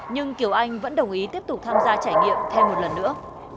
nhưng kiều anh vẫn đồng ý tiếp tục tham gia trải nghiệm thêm một lần nữa